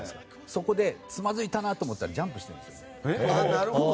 そこで、つまずいたなと思ったらジャンプしてるんですよ。